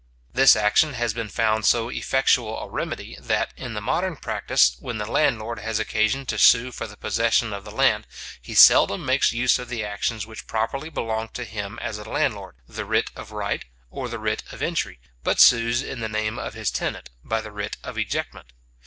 This action has been found so effectual a remedy, that, in the modern practice, when the landlord has occasion to sue for the possession of the land, he seldom makes use of the actions which properly belong to him as a landlord, the writ of right or the writ of entry, but sues in the name of his tenant, by the writ of ejectment.